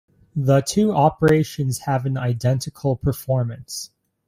The two operations have an identical performance.